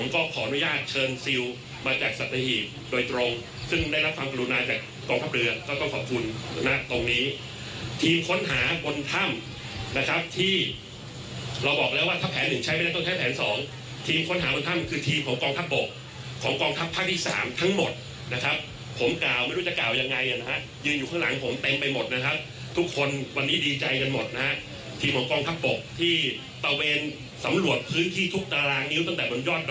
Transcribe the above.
ก็ขออนุญาตเชิญซิลมาจากโดยตรงซึ่งได้รับความกรุณาจากกองทัพเรือก็ต้องขอบคุณหน้าตรงนี้ทีมค้นหาบนถ้ำนะครับที่เราบอกแล้วว่าถ้าแผนหนึ่งใช้ไม่ได้ต้องใช้แผนสองทีมค้นหาบนถ้ำคือทีมของกองทัพบกของกองทัพภาคที่สามทั้งหมดนะครับผมกล่าวไม่รู้จะกล่าวยังไงอะนะฮะ